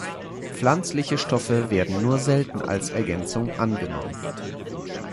Pflanzliche Stoffe werden nur selten als Ergänzung angenommen.